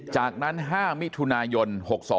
จากนั้น๕มิถุนายน๖๒